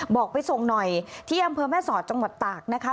บอกไปส่งหน่อยที่อำเภอแม่สอดจังหวัดตากนะคะ